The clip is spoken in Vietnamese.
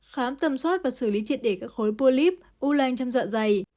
khám tầm soát và xử lý triệt để các khối polyp u land trong dạ dày